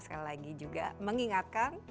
sekali lagi juga mengingatkan